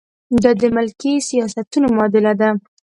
دا د ملکي سیاستونو معادله ده.